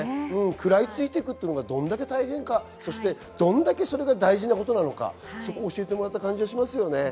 食らい付いていくのがどれだけ大変か、どれだけ大事なことなのかを教えてもらった感じがしますね。